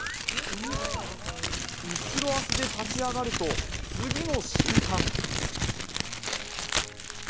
後ろ足で立ち上がると、次の瞬間。